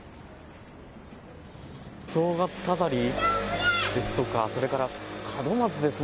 正月飾りですとか、それから門松ですね。